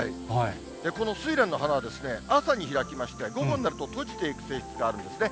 このスイレンの花は朝に開きまして、午後になると閉じていく性質があるんですね。